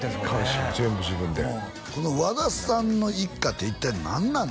全部自分でこの和田さんの一家って一体何なの？